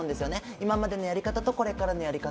今までのやり方とこれからのやり方。